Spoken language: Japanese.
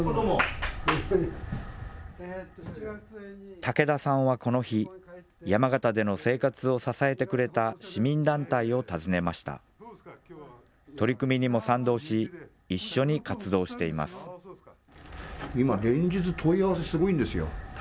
武田さんはこの日、山形での生活を支えてくれた市民団体を訪ねました。